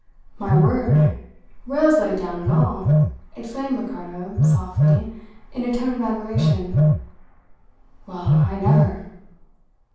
"My word! Rails laid down and all," exclaimed Ricardo softly, in a tone of admiration. "Well, I never!"